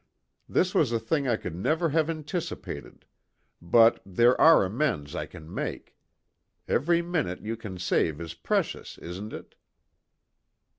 This was a thing I could never have anticipated; but there are amends I can make. Every minute you can save is precious, isn't it?"